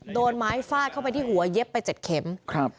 โดนไม้ฟาดเข้าไปที่หัวเย็บไปเจ็ดเข็มครับ